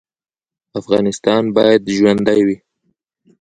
افغانستان باید ژوندی وي